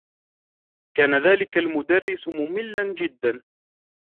كان ذلك المدرّس مملاّ جدّا.